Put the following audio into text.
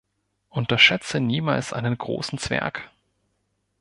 Unterschätze niemals einen großen Zwerg!